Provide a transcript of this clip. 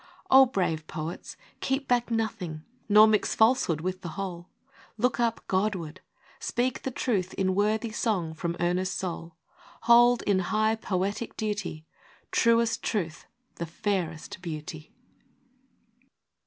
O brave poets, keep back nothing ; Nor mix falsehood with the whole ! Look up Godward! speak the truth in Worthy song from earnest soul ! Hold, in high poetic duty, Truest Truth the fairest Beauty!